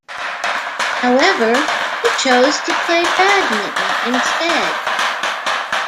However, he chose to play badminton instead.